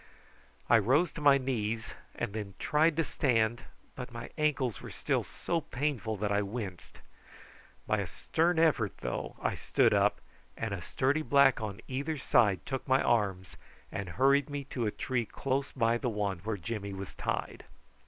I rose to my knees and then tried to stand, but my ankles were still so painful that I winced. By a stern effort, though, I stood up, and a sturdy black on either side took my arms and hurried me to a tree close by the one where Jimmy was tied.